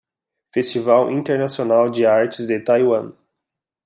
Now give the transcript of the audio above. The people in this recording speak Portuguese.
Festival Internacional de Artes de Taiwan